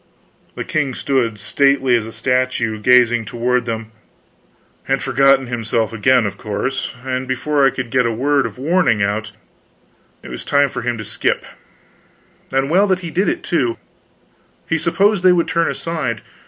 The king stood, stately as a statue, gazing toward them had forgotten himself again, of course and before I could get a word of warning out, it was time for him to skip, and well that he did it, too. He supposed they would turn aside.